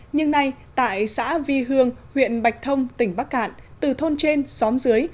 nhưng nay tại xã vi hương huyện bạch thông tỉnh bắc cạn từ thôn trên xóm dưới